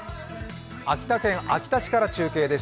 秋田県秋田市から中継です。